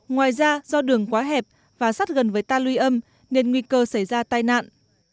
ngoài ra do đường quá hẹp và sát gần với ta lưu âm nên nguy cơ xảy ra tai nạn